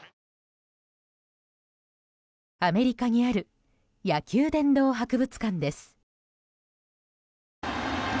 アメリカにある野球殿堂博物館です。